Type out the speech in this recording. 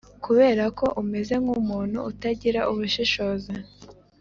Kubera ko umeze nk umuntu utagira ubushishozi